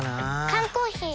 缶コーヒー